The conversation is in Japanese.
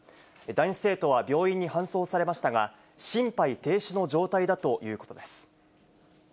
男子生徒は病院に搬送されましたが、心肺停止の状態だということです。